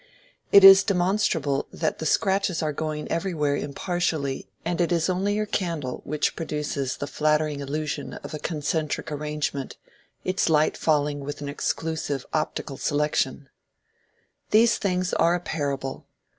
It is demonstrable that the scratches are going everywhere impartially and it is only your candle which produces the flattering illusion of a concentric arrangement, its light falling with an exclusive optical selection. These things are a parable.